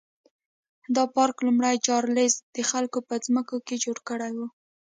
دا پارک لومړي چارلېز د خلکو په ځمکو کې جوړ کړی و.